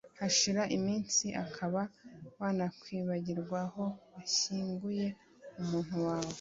hashira iminsi ukaba wanakwibagirwa aho washyinguye umuntu wawe